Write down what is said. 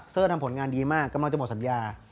ทำผลงานดีมากกำลังจะหมดสัญญา